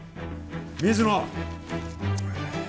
水野